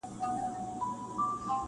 نیم وجود دي په زړو جامو کي پټ دی -